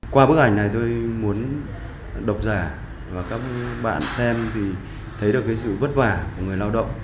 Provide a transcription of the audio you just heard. qua bức ảnh này tôi muốn đọc giả và các bạn xem thì thấy được cái sự vất vả của người lao động